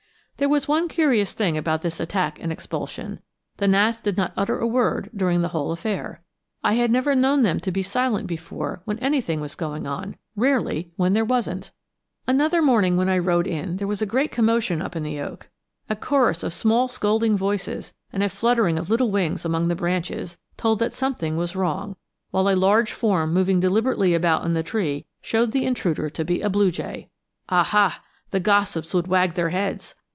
There was one curious thing about this attack and expulsion; the gnats did not utter a word during the whole affair! I had never known them to be silent before when anything was going on rarely when there wasn't. Another morning when I rode in there was a great commotion up in the oak. A chorus of small scolding voices, and a fluttering of little wings among the branches told that something was wrong, while a large form moving deliberately about in the tree showed the intruder to be a blue jay! Aha! the gossips would wag their heads.